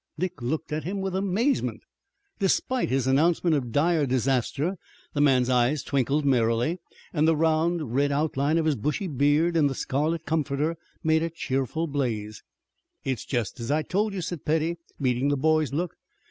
Dick looked at him with some amazement. Despite his announcement of dire disaster the man's eyes twinkled merrily and the round, red outline of his bushy head in the scarlet comforter made a cheerful blaze. "It's jest as I told you," said Petty, meeting the boy's look.